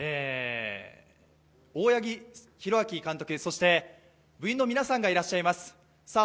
大八木弘明監督、そして部員の皆さんがいらっしゃいます。